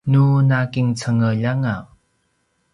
nu nakincengeljanga